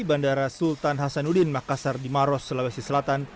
bandara sultan hasanuddin makassar di maros sulawesi selatan